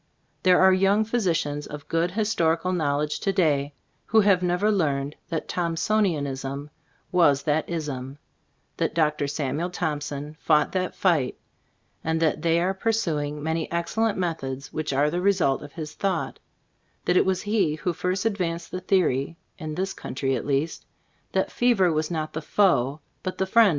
There are young physicians of good historical knowledge to day, who have never learned that "Thompsonianism" was that "ism"; that Dr. Samuel Thomp son fought that fight, and that they are pursuing many excellent methods which are the result of his thought; that it was he who first advanced the theory (in this country at least,) that fever was not the foe, but the friend 36 Zbc Stor?